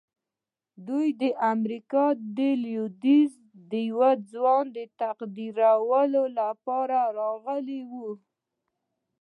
دوی د امریکا د لويديځ د یوه ځوان د تقدیرولو لپاره راغلي وو